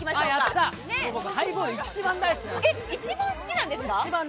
一番大好きなんです。